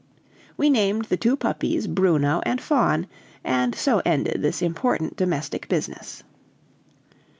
We named the two puppies Bruno and Fawn, and so ended this important domestic business.